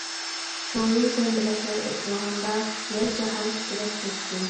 چويۇن زەمبىرەكلەر ئېتىلغاندا، يەر-جاھان تىترەپ كەتتى.